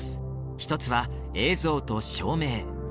一つは映像と照明